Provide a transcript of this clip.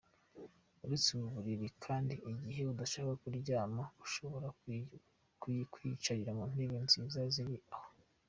Uretse ubu buriri kandi igihe udashaka kuryama ushobora kwiyicarira mu ntebe nziza ziri aho.